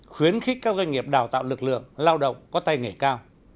khuyến khích các doanh nghiệp đào tạo lực lượng lao động có tay nghề cao